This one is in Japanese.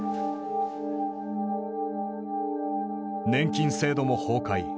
年金制度も崩壊。